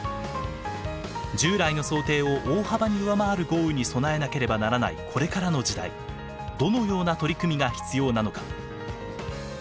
従来の想定を大幅に上回る豪雨に備えなければならないこれからの時代どのような取り組みが必要なのか。